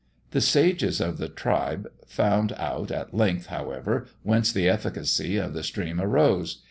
The sages of the tribe found out at length, however, whence the efficacy of the stream arose.